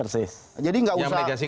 yang menegasikan siapa